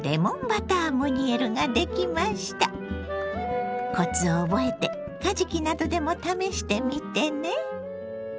コツを覚えてかじきなどでも試してみてね。